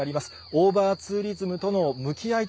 オーバーツーリズムとの向き合い